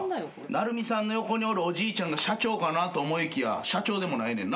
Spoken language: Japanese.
なるみさんの横におるおじいちゃんが社長かなと思いきや社長でもないねんなあれ。